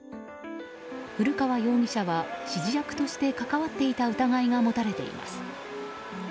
古川容疑者は指示役として関わっていた疑いが持たれています。